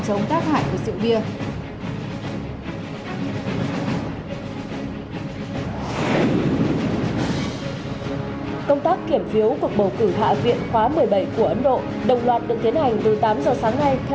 phòng chống tác hại của rượu bia